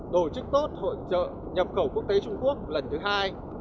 đổ chức tốt hỗ trợ nhập khẩu quốc tế trung quốc lần thứ hai